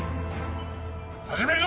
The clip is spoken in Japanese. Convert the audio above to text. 始めるぞ！